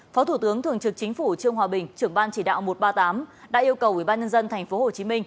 phó thủ tướng thường trực chính phủ trương hòa bình trưởng ban chỉ đạo một trăm ba mươi tám đã yêu cầu ubnd tp hcm